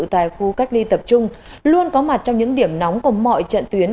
tại khu cách ly tập trung luôn có mặt trong những điểm nóng của mọi trận tuyến